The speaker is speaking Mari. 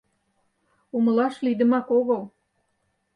— Умылаш лийдымак огыл.